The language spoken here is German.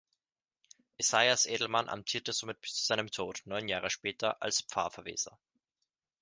Esaias Edelmann amtierte somit bis zu seinem Tod, neun Jahre später, als Pfarrverweser.